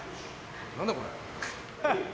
何だこれ。